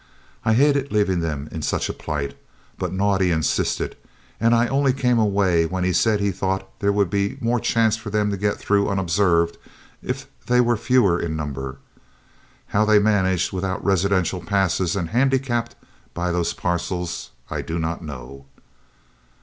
I hated leaving them in such a plight, but Naudé insisted, and I only came away when he said he thought there would be more chance for them to get through unobserved if they were fewer in number. How they managed without residential passes and handicapped by those parcels, I do not know."